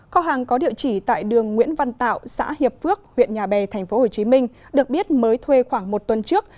kho hàng có địa chỉ tại đường nguyễn văn tạo xã hiệp phước huyện nhà bè tp hcm được biết mới thuê khoảng một tuần trước